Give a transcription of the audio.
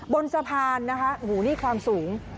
บนสะพานนะครับอู๋นี่ความสูง